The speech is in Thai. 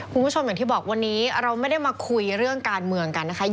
คุณผู้ชมอย่างที่บอกวันนี้เราไม่ได้มาคุยเรื่องการเมืองกันนะคะ